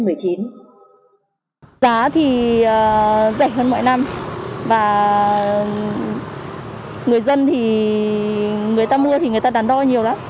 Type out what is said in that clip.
giá thì rẻ hơn mọi năm và người dân thì người ta mua thì người ta đàn đo nhiều lắm